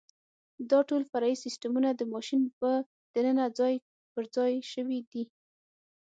دا ټول فرعي سیسټمونه د ماشین په دننه کې ځای پرځای شوي دي.